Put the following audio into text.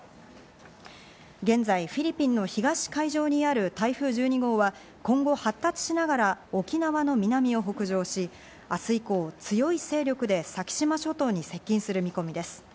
現在、フィリピンの東海上にある台風１２号は、今後、発達しながら沖縄の南を北上し、明日以降、強い勢力で先島諸島に接近する見込みです。